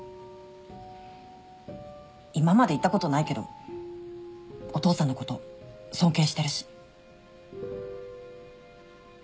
今まで言ったことないけどお父さんのこと尊敬してるし。